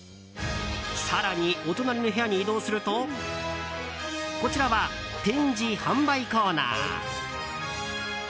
更に、お隣の部屋に移動するとこちらは、展示・販売コーナー。